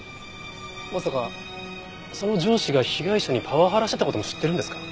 まさかその上司が被害者にパワハラしてた事も知ってるんですか？